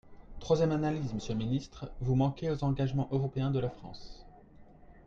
Troisième analyse, monsieur le ministre, vous manquez aux engagements européens de la France.